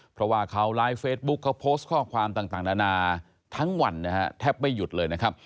เพราะว่าเขาไลฟ์เฟซบุ๊คเขาโพสต์ข้อความต่างนานาทั้งวันนะฮะแทบไม่หยุดเลยนะครับ